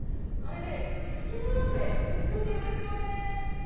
まるで雪のようで美しいですよね。